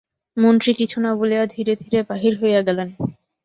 মন্ত্রী কিছু না বলিয়া ধীরে ধীরে বাহির হইয়া গেলেন।